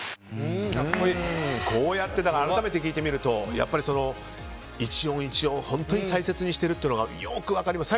こうやって改めて聴いてみるとやっぱり、一音一音本当に大切にしているというのがよく分かります。